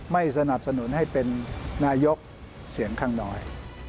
ไม่สนับสนุนให้เป็นนายกเสียงข้างน้อย